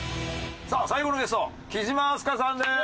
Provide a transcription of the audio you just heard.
さあ最後のゲスト貴島明日香さんです。